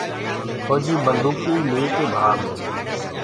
ڦوجيٚ بنٚدوڪيٚئو ليڪي ڀآگو